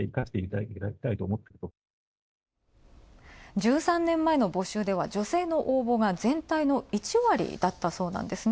１３年前の募集では、女性の応募が、全体の１割だったそうなんですね。